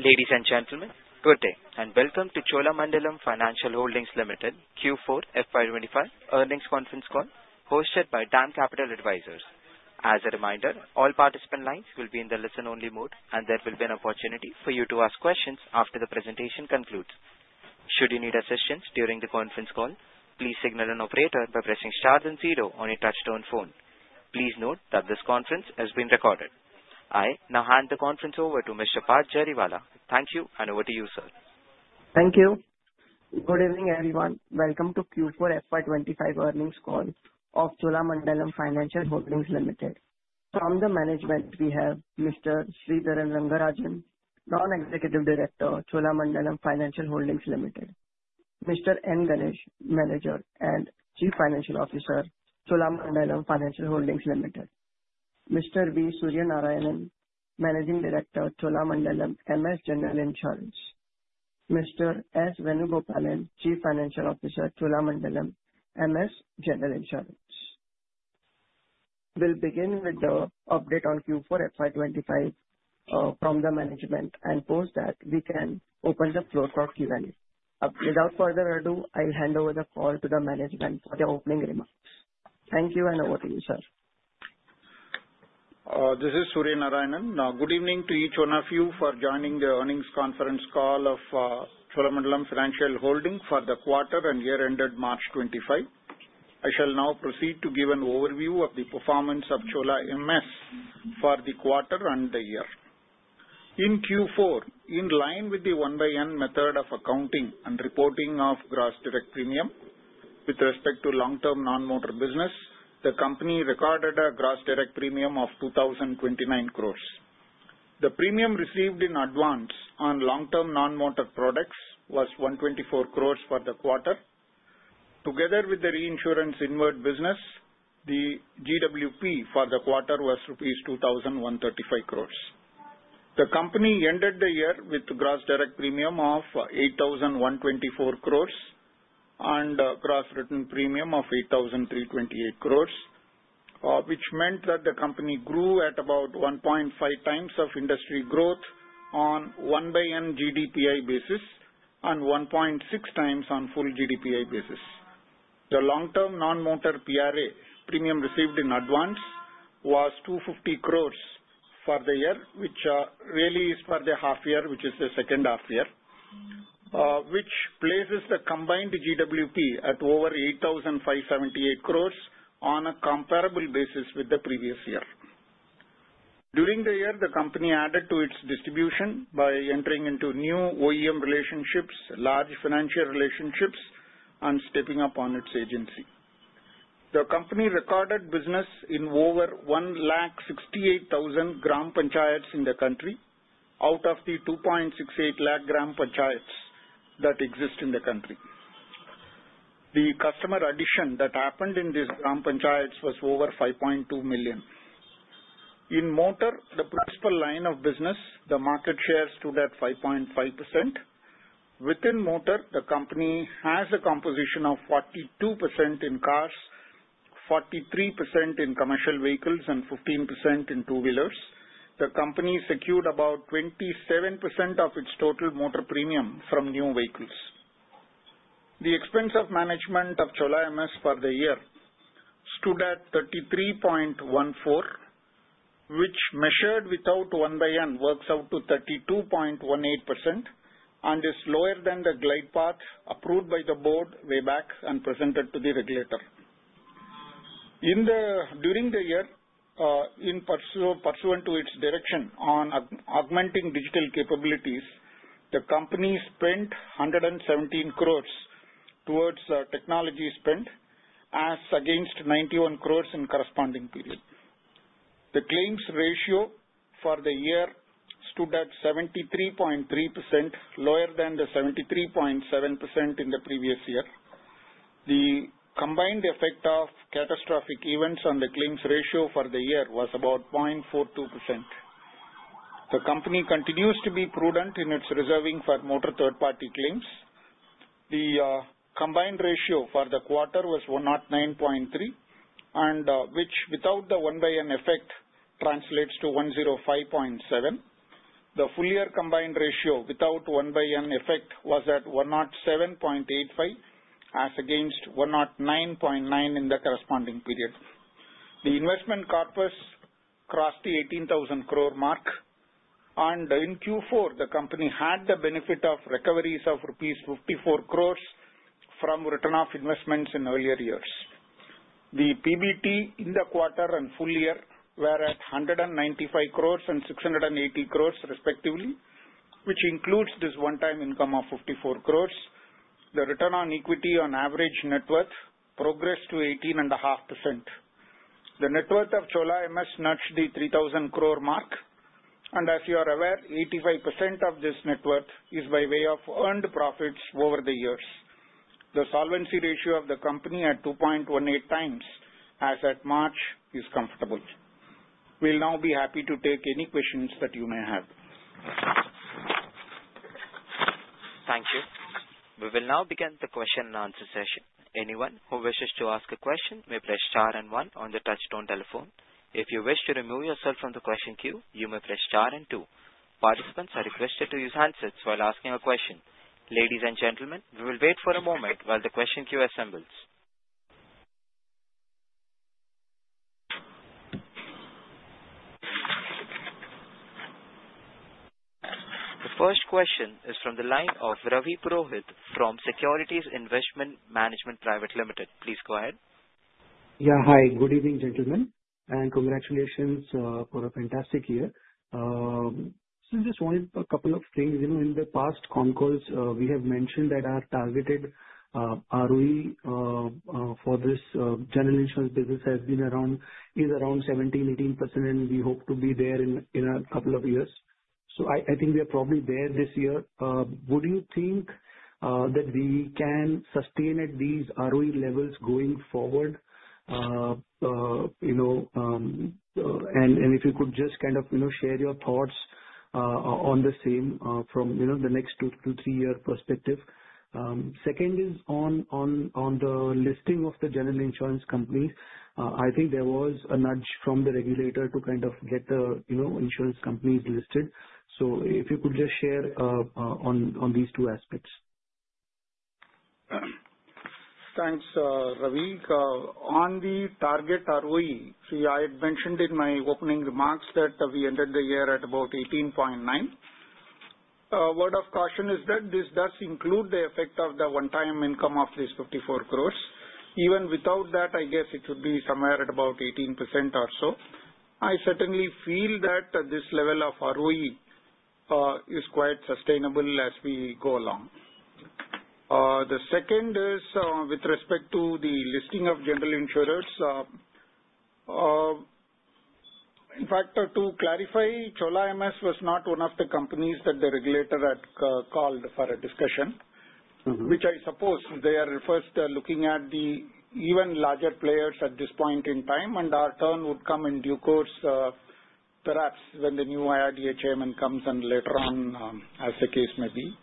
Ladies and gentlemen, good day and welcome to Cholamandalam Financial Holdings Limited Q4 FY2025 Earnings Conference Call, hosted by DAM Capital Advisors. As a reminder, all participant lines will be in the listen-only mode, and there will be an opportunity for you to ask questions after the presentation concludes. Should you need assistance during the conference call, please signal an operator by pressing star and zero on your touch-tone phone. Please note that this conference is being recorded. I now hand the conference over to Mr. Parth Jariwala. Thank you, and over to you, sir. Thank you. Good evening, everyone. Welcome to Q4 FY2025 Earnings Call of Cholamandalam Financial Holdings Limited. From the management, we have Mr. Sridharan Rangarajan, Non-Executive Director, Cholamandalam Financial Holdings Limited; Mr. N. Ganesh, Manager and Chief Financial Officer, Cholamandalam Financial Holdings Limited; Mr. V. Suryanarayanan, Managing Director, Cholamandalam MS General Insurance; Mr. S. Venugopalan, Chief Financial Officer, Cholamandalam MS General Insurance. We'll begin with the update on Q4 FY2025 from the management and post that we can open the floor for Q&A. Without further ado, I'll hand over the call to the management for the opening remarks. Thank you, and over to you, sir. This is Suryanarayanan. Good evening to each one of you for joining the earnings conference call of Cholamandalam Financial Holdings for the quarter and year-ended March 2025. I shall now proceed to give an overview of the performance of Cholam MS for the quarter and the year. In Q4, in line with the one-by-one method of accounting and reporting of gross direct premium with respect to long-term non-motor business, the company recorded a gross direct premium of 2,029 crore. The premium received in advance on long-term non-motor products was 124 crore for the quarter. Together with the reinsurance inward business, the GWP for the quarter was INR 2,135 crore. The company ended the year with a gross direct premium of 8,124 crore and a gross written premium of 8,328 crore, which meant that the company grew at about 1.5x of industry growth on a one-by-one GDPI basis and 1.6x on a full GDPI basis. The long-term non-motor PRA premium received in advance was 250 crore for the year, which really is for the half-year, which is the second half-year, which places the combined GWP at over 8,578 crore on a comparable basis with the previous year. During the year, the company added to its distribution by entering into new OEM relationships, large financial relationships, and stepping up on its agency. The company recorded business in over 168,000 gram panchayats in the country out of the 268,000 gram panchayats that exist in the country. The customer addition that happened in these gram panchayats was over 5.2 million. In motor, the principal line of business, the market share stood at 5.5%. Within motor, the company has a composition of 42% in cars, 43% in commercial vehicles, and 15% in two-wheelers. The company secured about 27% of its total motor premium from new vehicles. The expense of management of Cholamandalam MS for the year stood at 33.14%, which measured without one-by-one works out to 32.18% and is lower than the glide path approved by the board way back and presented to the regulator. During the year, in pursuit to its direction on augmenting digital capabilities, the company spent 117 crore towards technology spend as against 91 crore in corresponding period. The claims ratio for the year stood at 73.3%, lower than the 73.7% in the previous year. The combined effect of catastrophic events on the claims ratio for the year was about 0.42%. The company continues to be prudent in its reserving for motor third-party claims. The combined ratio for the quarter was not 9.3, which without the one-by-one effect translates to 105.7. The full-year combined ratio without one-by-one effect was at 107.85 as against 109.9 in the corresponding period. The investment corpus crossed the 18,000 crore mark, and in Q4, the company had the benefit of recoveries of rupees 54 crore from return of investments in earlier years. The PBT in the quarter and full year were at 195 crore and 680 crore respectively, which includes this one-time income of 54 crore. The return on equity on average net worth progressed to 18.5%. The net worth of Cholamandalam MS General Insurance nudged the 3,000 crore mark, and as you are aware, 85% of this net worth is by way of earned profits over the years. The solvency ratio of the company at 2.18 times as at March is comfortable. We'll now be happy to take any questions that you may have. Thank you. We will now begin the question and answer session. Anyone who wishes to ask a question may press star and one on the touch-tone telephone. If you wish to remove yourself from the question queue, you may press star and two. Participants are requested to use handsets while asking a question. Ladies and gentlemen, we will wait for a moment while the question queue assembles. The first question is from the line of Ravi Purohit from Securities Investment Management Private Limited. Please go ahead. Yeah, hi. Good evening, gentlemen, and congratulations for a fantastic year. Just wanted a couple of things. In the past con calls, we have mentioned that our targeted ROE for this general insurance business has been around 17-18%, and we hope to be there in a couple of years. I think we are probably there this year. Would you think that we can sustain at these ROE levels going forward? If you could just kind of share your thoughts on the same from the next two to three-year perspective. Second is on the listing of the general insurance companies. I think there was a nudge from the regulator to kind of get the insurance companies listed. If you could just share on these two aspects. Thanks, Ravi. On the target ROE, I had mentioned in my opening remarks that we entered the year at about 18.9%. A word of caution is that this does include the effect of the one-time income of 54 crore. Even without that, I guess it would be somewhere at about 18% or so. I certainly feel that this level of ROE is quite sustainable as we go along. The second is with respect to the listing of general insurers. In fact, to clarify, Cholamandalam MS General Insurance was not one of the companies that the regulator had called for a discussion, which I suppose they are first looking at the even larger players at this point in time, and our turn would come in due course, perhaps when the new IRDHAMM comes and later on as the case may be.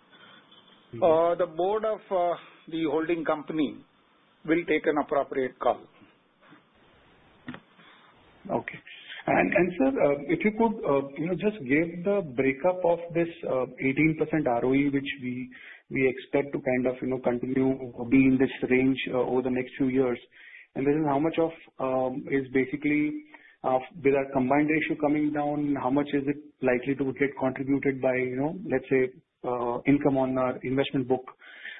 The board of the holding company will take an appropriate call. Okay. Sir, if you could just give the breakup of this 18% ROE, which we expect to kind of continue being in this range over the next few years, and how much of it is basically with our combined ratio coming down, how much is it likely to get contributed by, let's say, income on our investment book?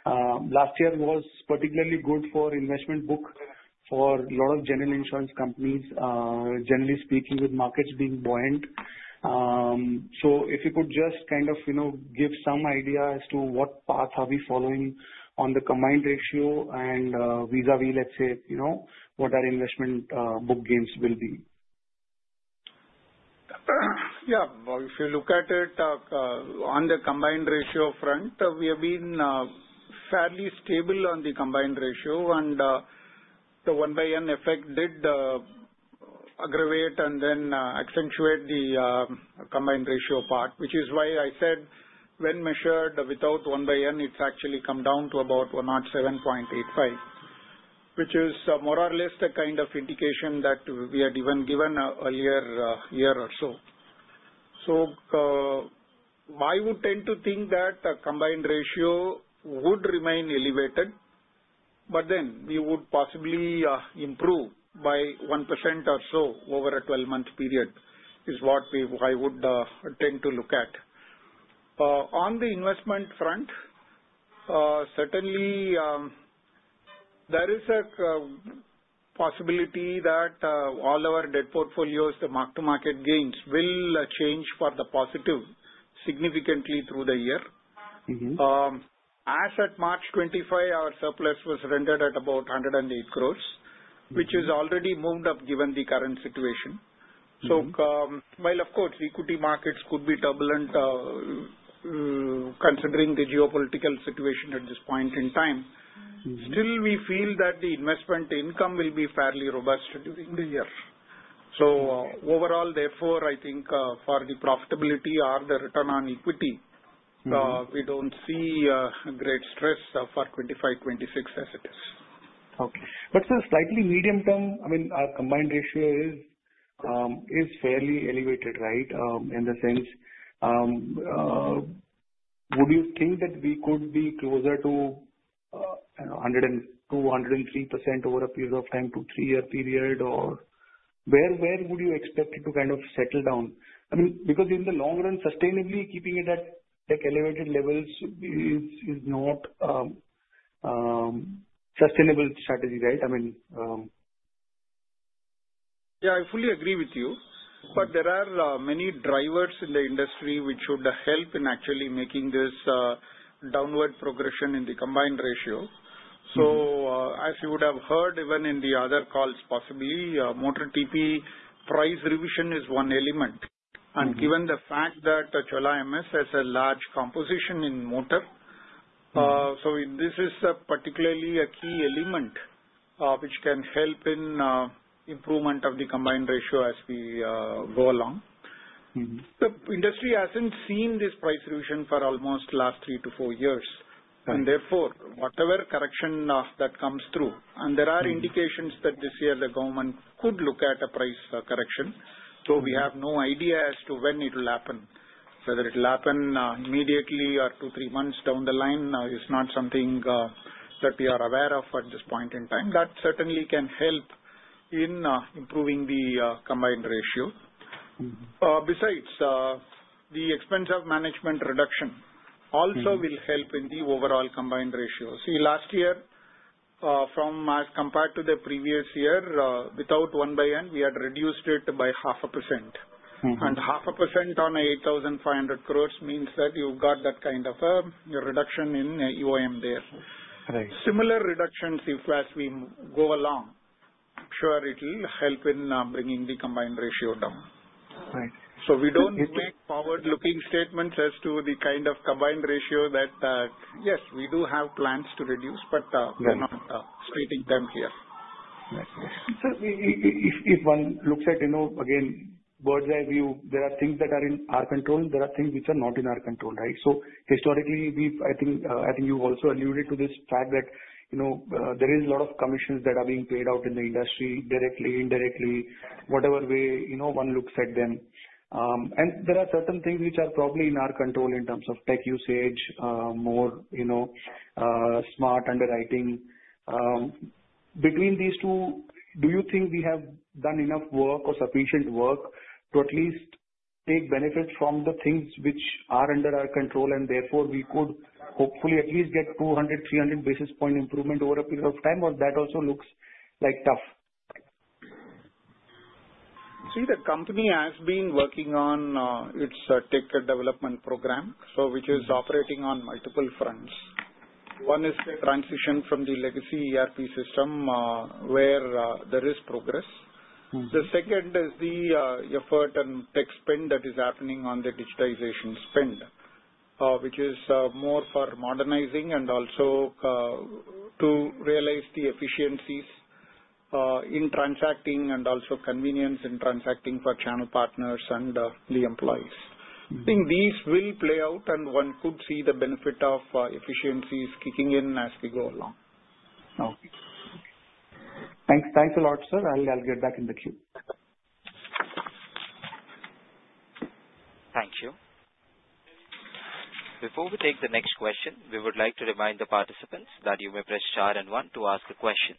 Last year was particularly good for investment book for a lot of general insurance companies, generally speaking, with markets being buoyant. If you could just kind of give some idea as to what path are we following on the combined ratio and vis-à-vis, let's say, what our investment book gains will be. Yeah, if you look at it on the combined ratio front, we have been fairly stable on the combined ratio, and the one-by-one effect did aggravate and then accentuate the combined ratio part, which is why I said when measured without one-by-one, it's actually come down to about 107.85%, which is more or less the kind of indication that we had even given earlier year or so. I would tend to think that the combined ratio would remain elevated, but then we would possibly improve by 1% or so over a 12-month period is what I would tend to look at. On the investment front, certainly there is a possibility that all our debt portfolios, the mark-to-market gains, will change for the positive significantly through the year. As at March 2025, our surplus was rendered at about 108 crore, which has already moved up given the current situation. While, of course, equity markets could be turbulent considering the geopolitical situation at this point in time, still we feel that the investment income will be fairly robust during the year. Overall, therefore, I think for the profitability or the return on equity, we do not see a great stress for 2025-2026 as it is. Okay. Sir, slightly medium term, I mean, our combined ratio is fairly elevated, right, in the sense would you think that we could be closer to 102-103% over a period of time, two to three-year period, or where would you expect it to kind of settle down? I mean, because in the long run, sustainably keeping it at elevated levels is not a sustainable strategy, right? I mean. Yeah, I fully agree with you, but there are many drivers in the industry which would help in actually making this downward progression in the combined ratio. As you would have heard even in the other calls, possibly motor TP price revision is one element. Given the fact that Cholamandalam MS has a large composition in motor, this is particularly a key element which can help in improvement of the combined ratio as we go along. The industry has not seen this price revision for almost the last three to four years, and therefore, whatever correction that comes through, and there are indications that this year the government could look at a price correction. We have no idea as to when it will happen, whether it will happen immediately or two-three months down the line. It's not something that we are aware of at this point in time. That certainly can help in improving the combined ratio. Besides, the expense of management reduction also will help in the overall combined ratio. Last year, compared to the previous year, without one-by-one, we had reduced it by half a percent. Half a percent on 8,500 crore means that you've got that kind of a reduction in EOM there. Similar reductions, if as we go along, I'm sure it will help in bringing the combined ratio down. We don't make forward-looking statements as to the kind of combined ratio that yes, we do have plans to reduce, but we're not stating them here. If one looks at, again, bird's-eye view, there are things that are in our control, and there are things which are not in our control, right? Historically, I think you've also alluded to this fact that there is a lot of commissions that are being paid out in the industry directly, indirectly, whatever way one looks at them. There are certain things which are probably in our control in terms of tech usage, more smart underwriting. Between these two, do you think we have done enough work or sufficient work to at least take benefit from the things which are under our control, and therefore we could hopefully at least get 200-300 basis point improvement over a period of time, or that also looks like tough? See, the company has been working on its tech development program, which is operating on multiple fronts. One is the transition from the legacy ERP system where there is progress. The second is the effort and tech spend that is happening on the digitization spend, which is more for modernizing and also to realize the efficiencies in transacting and also convenience in transacting for channel partners and the employees. I think these will play out, and one could see the benefit of efficiencies kicking in as we go along. Okay. Thanks a lot, sir. I'll get back in the queue. Thank you. Before we take the next question, we would like to remind the participants that you may press star and one to ask a question.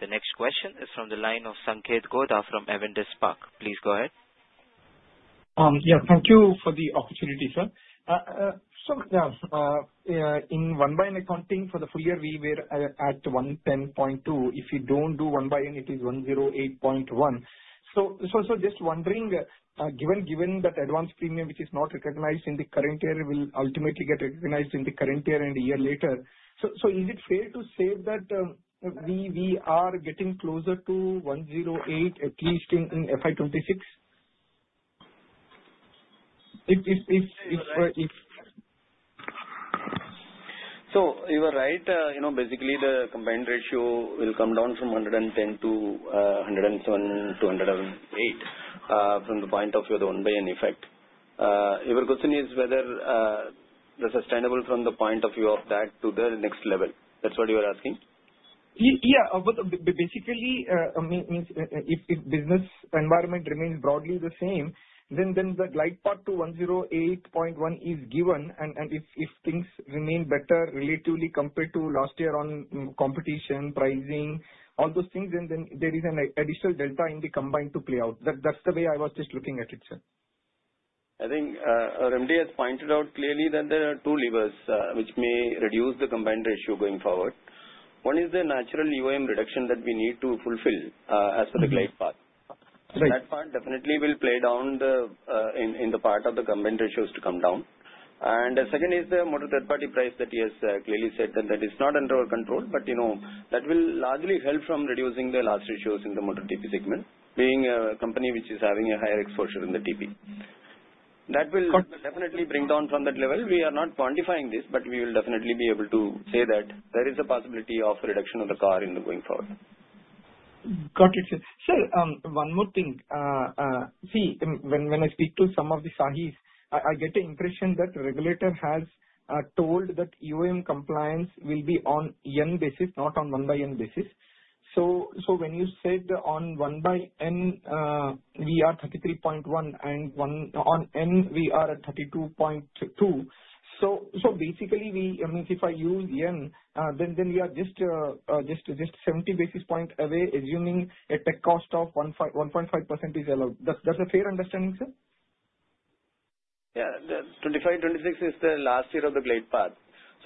The next question is from the line of Sanketh Godha from Avendus Spark. Please go ahead. Yeah, thank you for the opportunity, sir. Yeah, in one-by-one accounting for the full year, we were at 110.2. If you do not do one-by-one, it is 108.1. Just wondering, given that advance premium which is not recognized in the current year will ultimately get recognized in the current year and a year later, is it fair to say that we are getting closer to 108, at least in FY 2026? You were right. Basically, the combined ratio will come down from 110 to 107-108 from the point of view of the one-by-one effect. Your question is whether that is sustainable from the point of view of that to the next level. That is what you are asking? Yeah. Basically, if business environment remains broadly the same, then the light part to 108.1 is given, and if things remain better relatively compared to last year on competition, pricing, all those things, then there is an additional delta in the combined to play out. That's the way I was just looking at it, sir. I think Remdiyath pointed out clearly that there are two levers which may reduce the combined ratio going forward. One is the natural EOM reduction that we need to fulfill as per the glide path. That part definitely will play down in the part of the combined ratios to come down. The second is the motor third-party price that he has clearly said that it's not under our control, but that will largely help from reducing the loss ratios in the motor TP segment, being a company which is having a higher exposure in the TP. That will definitely bring down from that level. We are not quantifying this, but we will definitely be able to say that there is a possibility of reduction of the car in the going forward. Got it. Sir, one more thing. See, when I speak to some of the Sahis, I get the impression that the regulator has told that EOM compliance will be on YEN basis, not on one-by-YEN basis. So when you said on one-by-YEN, we are 33.1, and on YEN, we are at 32.2. So basically, I mean, if I use YEN, then we are just 70 basis points away, assuming a tech cost of 1.5% is allowed. That's a fair understanding, sir? Yeah. 2025-2026 is the last year of the glide path.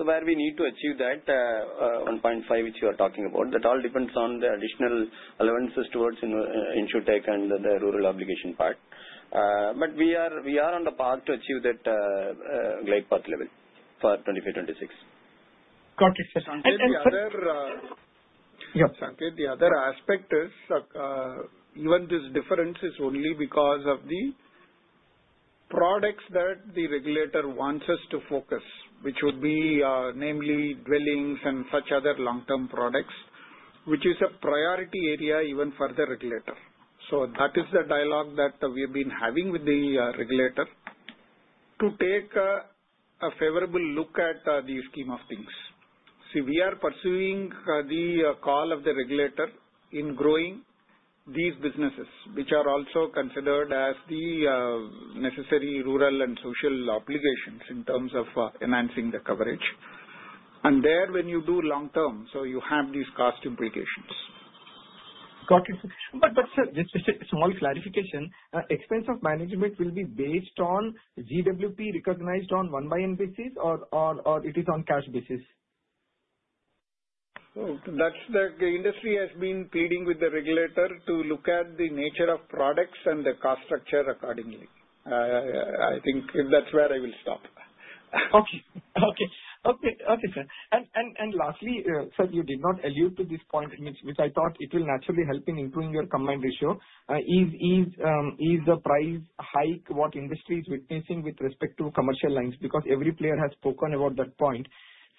Where we need to achieve that 1.5 which you are talking about, that all depends on the additional allowances towards insurtech and the rural obligation part. We are on the path to achieve that glide path level for 2025-2026. Got it, sir. The other. Yeah, Sankeeth. The other aspect is even this difference is only because of the products that the regulator wants us to focus, which would be namely dwellings and such other long-term products, which is a priority area even for the regulator. That is the dialogue that we have been having with the regulator to take a favorable look at the scheme of things. See, we are pursuing the call of the regulator in growing these businesses, which are also considered as the necessary rural and social obligations in terms of enhancing the coverage. There, when you do long-term, you have these cost implications. Got it. But sir, just a small clarification. Expense of management will be based on GWP recognized on one-by-one basis, or it is on cash basis? The industry has been pleading with the regulator to look at the nature of products and the cost structure accordingly. I think that's where I will stop. Okay. Okay. Okay, sir. Lastly, sir, you did not allude to this point, which I thought it will naturally help in improving your combined ratio. Is the price hike what industry is witnessing with respect to commercial lines? Because every player has spoken about that point.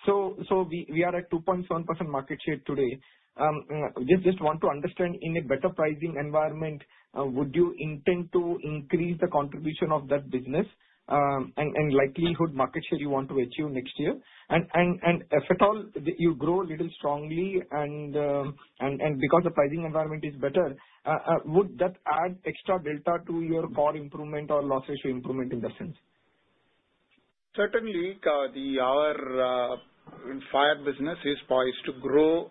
We are at 2.7% market share today. I just want to understand, in a better pricing environment, would you intend to increase the contribution of that business and likelihood market share you want to achieve next year? If at all, you grow a little strongly, and because the pricing environment is better, would that add extra delta to your core improvement or loss ratio improvement in that sense? Certainly, our fire business is poised to grow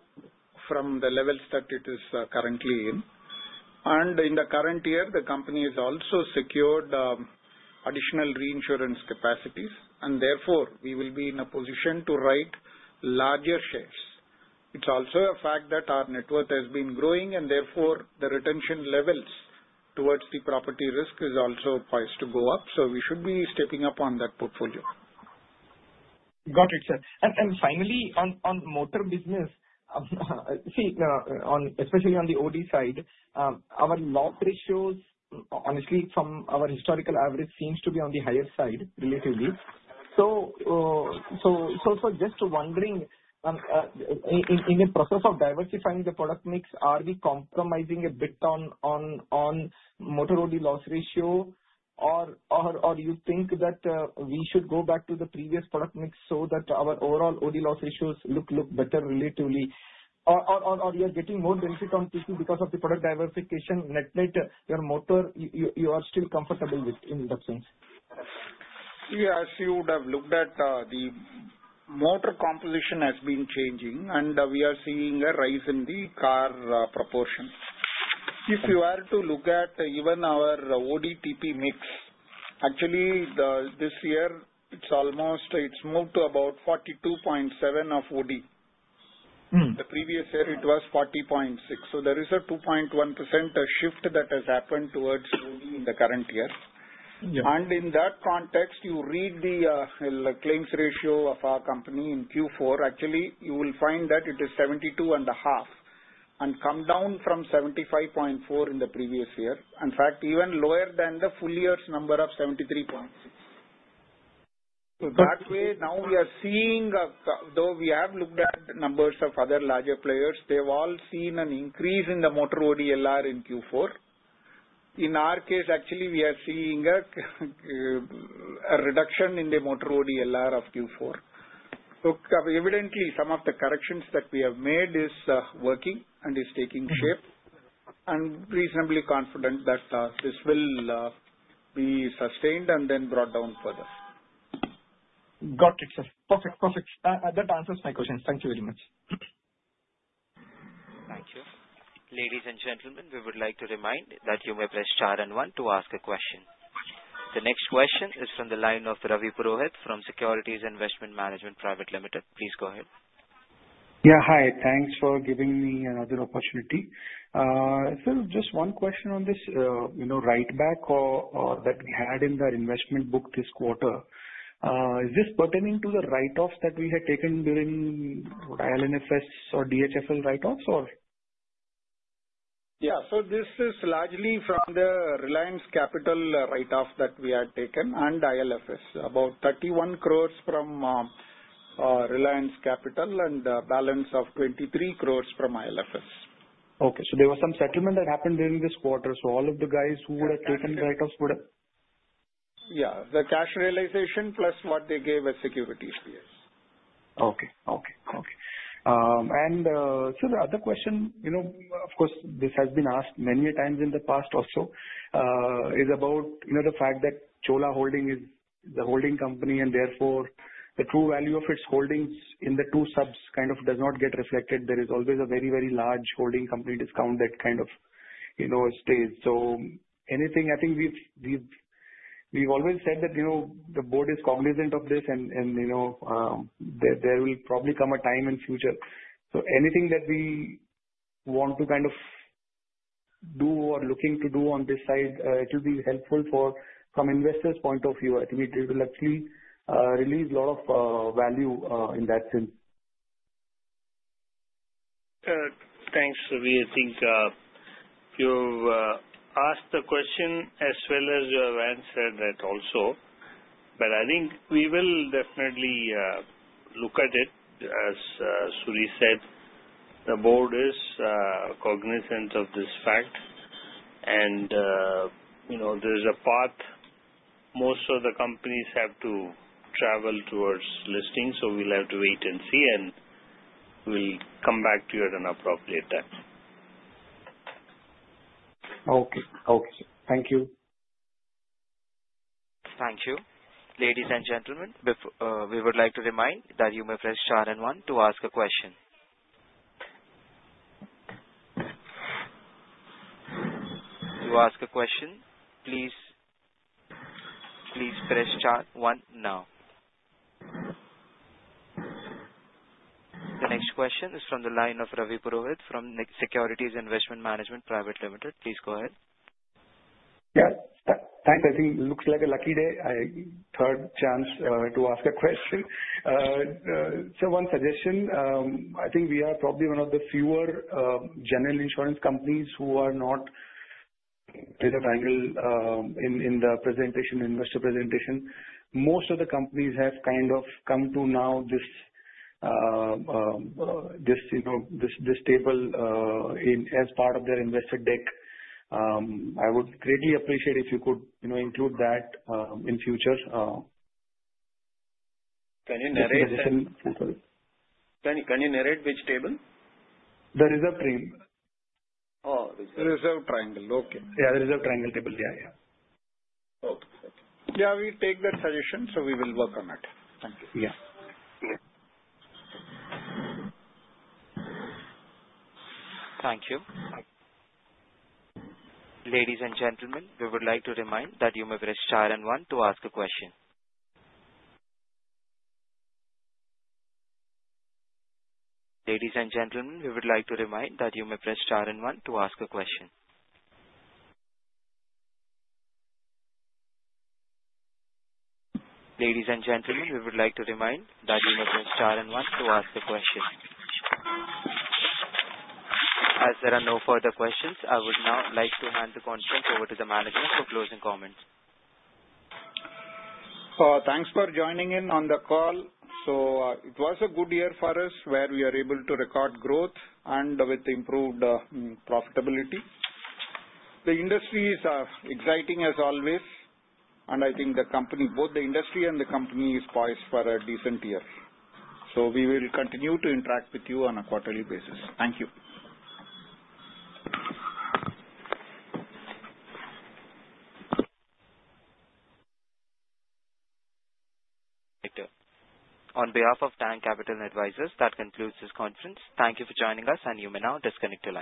from the levels that it is currently in. In the current year, the company has also secured additional reinsurance capacities, and therefore, we will be in a position to write larger shares. It is also a fact that our net worth has been growing, and therefore, the retention levels towards the property risk are also poised to go up. We should be stepping up on that portfolio. Got it, sir. Finally, on motor business, see, especially on the OD side, our loss ratios, honestly, from our historical average, seem to be on the higher side relatively. Just wondering, in the process of diversifying the product mix, are we compromising a bit on motor OD loss ratio, or do you think that we should go back to the previous product mix so that our overall OD loss ratios look better relatively, or are you getting more benefit on TP because of the product diversification? Net net, your motor, you are still comfortable with in that sense? Yes, you would have looked at the motor composition has been changing, and we are seeing a rise in the car proportion. If you are to look at even our OD-TP mix, actually, this year, it's moved to about 42.7% of OD. The previous year, it was 40.6%. So there is a 2.1% shift that has happened towards OD in the current year. In that context, you read the claims ratio of our company in Q4. Actually, you will find that it is 72.5% and come down from 75.4% in the previous year. In fact, even lower than the full year's number of 73.6%. That way, now we are seeing, though we have looked at numbers of other larger players, they've all seen an increase in the motor ODLR in Q4. In our case, actually, we are seeing a reduction in the motor ODLR of Q4. So evidently, some of the corrections that we have made is working and is taking shape. I'm reasonably confident that this will be sustained and then brought down further. Got it, sir. Perfect. Perfect. That answers my questions. Thank you very much. Thank you. Ladies and gentlemen, we would like to remind that you may press star and one to ask a question. The next question is from the line of Ravi Purohit from Securities Investment Management Private Limited. Please go ahead. Yeah, hi. Thanks for giving me another opportunity. Sir, just one question on this write-back that we had in the investment book this quarter. Is this pertaining to the write-offs that we had taken during IL&FS or DHFL write-offs, or? Yeah. This is largely from the Reliance Capital write-off that we had taken and IL&FS, about 31 crore from Reliance Capital and a balance of 23 crore from IL&FS. Okay. So there was some settlement that happened during this quarter. All of the guys who would have taken write-offs would have? Yeah. The cash realization plus what they gave as securities, yes. Okay. Okay. Okay. Sir, the other question, of course, this has been asked many times in the past also, is about the fact that Chola Holding is the holding company, and therefore, the true value of its holdings in the two subs kind of does not get reflected. There is always a very, very large holding company discount that kind of stays. Anything, I think we've always said that the board is cognizant of this, and there will probably come a time in future. Anything that we want to kind of do or looking to do on this side, it will be helpful from investors' point of view. I think it will actually release a lot of value in that sense. Thanks, Ravi. I think you asked the question as well as you have answered that also. I think we will definitely look at it, as Suri said. The board is cognizant of this fact, and there is a path most of the companies have to travel towards listing. We will have to wait and see, and we will come back to you at an appropriate time. Okay. Okay. Thank you. Thank you. Ladies and gentlemen, we would like to remind that you may press star and one to ask a question. To ask a question, please press star one now. The next question is from the line of Ravi Purohit from Securities Investment Management Private Limited. Please go ahead. Yeah. Thanks. I think it looks like a lucky day, a third chance to ask a question. Sir, one suggestion. I think we are probably one of the fewer general insurance companies who are not, as I have angled in the investor presentation, most of the companies have kind of come to now this table as part of their investor deck. I would greatly appreciate if you could include that in future. Can you narrate? Can you narrate which table? The reserve triangle. Oh, reserve. The reserve triangle. Okay. Yeah, the reserve triangle table. Yeah. Okay. Okay. Yeah, we take that suggestion, so we will work on it. Thank you. Yeah. Thank you. Ladies and gentlemen, we would like to remind that you may press star and one to ask a question. As there are no further questions, I would now like to hand the conference over to the manager for closing comments. Thanks for joining in on the call. It was a good year for us where we are able to record growth and with improved profitability. The industry is exciting as always, and I think both the industry and the company is poised for a decent year. We will continue to interact with you on a quarterly basis. Thank you. On behalf of DAM Capital Advisors, that concludes this conference. Thank you for joining us, and you may now disconnect the call.